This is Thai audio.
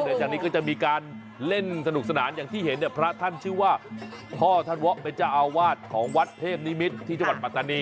เหนือจากนี้ก็จะมีการเล่นสนุกสนานอย่างที่เห็นเนี่ยพระท่านชื่อว่าพ่อท่านวะเป็นเจ้าอาวาสของวัดเทพนิมิตรที่จังหวัดปัตตานี